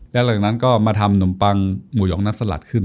แล้วตอนนั้นก็มาทำนมปังหมูยองนับสลัดขึ้น